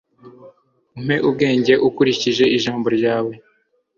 umpe ubwenge ukurikije ijambo ryawe